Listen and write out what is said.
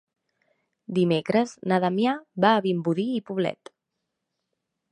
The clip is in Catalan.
Dimecres na Damià va a Vimbodí i Poblet.